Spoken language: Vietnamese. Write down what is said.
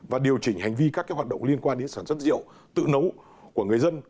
và điều chỉnh hành vi các hoạt động liên quan đến sản xuất rượu tự nấu của người dân